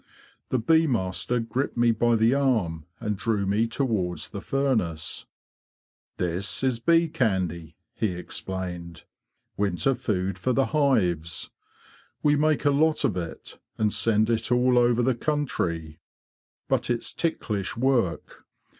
The bee master gripped me by the arm and drew me towards the furnace. " This is bee candy,"' he explained, '' winter food for the hives. We make a lot of it and send it all over the country. But it's ticklish work.